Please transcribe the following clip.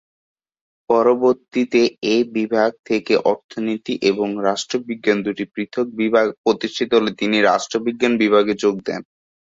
পরবর্তীতে এ বিভাগ থেকে অর্থনীতি এবং রাষ্ট্রবিজ্ঞান দুটি পৃথক বিভাগ প্রতিষ্ঠিত হলে তিনি রাষ্ট্রবিজ্ঞান বিভাগে যোগ দেন।